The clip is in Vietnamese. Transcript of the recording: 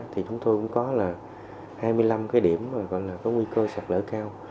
thì chúng tôi cũng có là hai mươi năm cái điểm gọi là có nguy cơ sạt lở cao